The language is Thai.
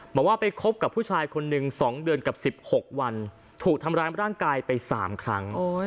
บอกว่าไปคบกับผู้ชายคนหนึ่ง๒เดือนกับ๑๖วันถูกทำร้ายร่างกายไป๓ครั้ง